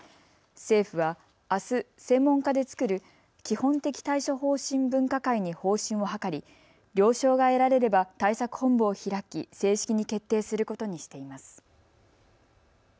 政府はあす、専門家で作る基本的対処方針分科会に方針を諮り了承が得られれば対策本部を開き正式に決定することにしています。